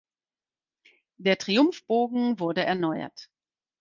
Der Triumphbogen wurde erneuert.